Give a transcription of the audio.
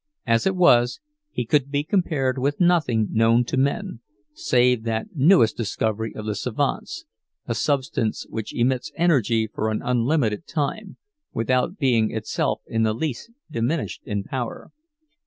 As it was, he could be compared with nothing known to men, save that newest discovery of the savants, a substance which emits energy for an unlimited time, without being itself in the least diminished in power.